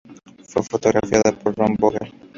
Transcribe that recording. Fue fotografiada por Ron Vogel.